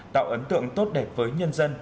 tạo ấn tượng tốt đẹp với nhân dân